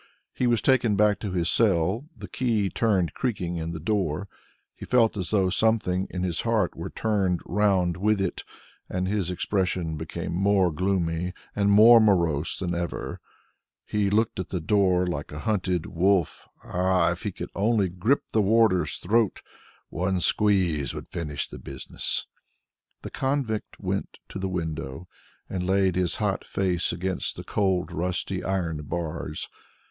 He was taken back to his cell; the key turned creaking in the door; he felt as though something in his heart were turned round with it, and his expression became more gloomy and morose than ever; he looked at the door like a hunted wolf. Ah, if he could only grip the warder's throat! one squeeze would finish the business! The convict went to the window, and laid his hot face against the cold rusty iron bars.